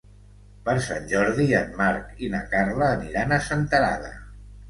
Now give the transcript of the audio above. Per Sant Jordi en Marc i na Carla aniran a Senterada.